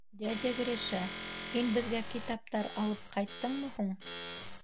— Дядя Гриша, һин беҙгә китаптар алып ҡайттыңмы һуң?